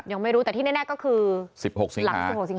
ยังไม่รู้แต่ที่แน่ก็คือ๑๖สิงหา๑๖สิงหา